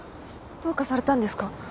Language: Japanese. どうかされたんですか？